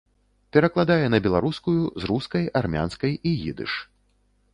Перакладае на беларускую з рускай, армянскай і ідыш.